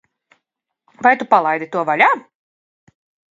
Vai Tu palaidi to vaļā?